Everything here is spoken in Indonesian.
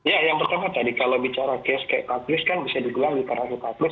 ya yang pertama tadi kalau bicara case kayak patris kan bisa digelar di para hukum patris